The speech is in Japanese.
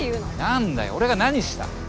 なんだよ俺が何した！？